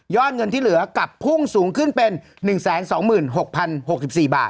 เงินที่เหลือกลับพุ่งสูงขึ้นเป็น๑๒๖๐๖๔บาท